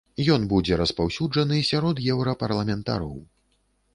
Ён будзе распаўсюджаны сярод еўрапарламентароў.